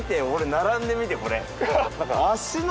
並んでみてこれ。